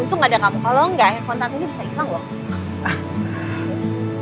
untung ada kamu kalau enggak handphone tante ini bisa hilang lho